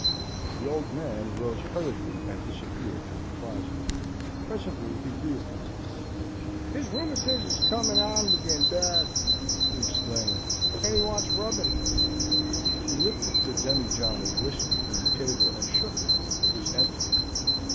The Old Man arose hurriedly and disappeared in the closet. Presently he reappeared. "His rheumatiz is coming on agin bad," he explained, "and he wants rubbin'." He lifted the demijohn of whiskey from the table and shook it. It was empty.